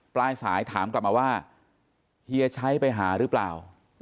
ปลายสายถามกลับมาว่าเฮียชัยไปหาหรือเปล่า